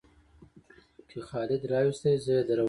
کې خالد راوستى؛ زې درولم.